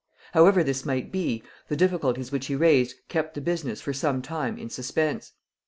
However this might be, the difficulties which he raised kept the business for some time in suspense.